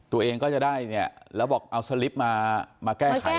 ตัวเองก็จะได้เนี่ยแล้วบอกเอาสลิปมาแก้ไข